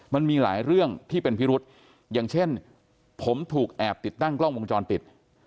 มันมีหลายเรื่องที่เป็นพิรุษอย่างเช่นผมถูกแอบติดตั้งกล้องวงจรปิด